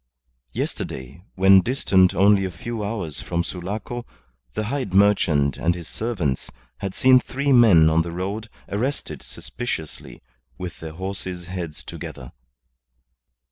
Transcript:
Yesterday, when distant only a few hours from Sulaco, the hide merchant and his servants had seen three men on the road arrested suspiciously, with their horses' heads together.